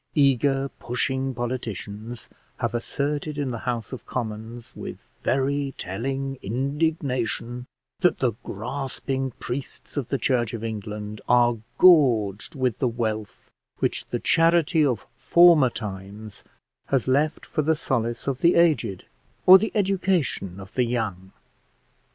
Eager pushing politicians have asserted in the House of Commons, with very telling indignation, that the grasping priests of the Church of England are gorged with the wealth which the charity of former times has left for the solace of the aged, or the education of the young.